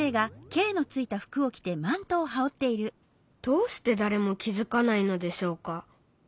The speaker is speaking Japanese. どうしてだれも気づかないのでしょうか？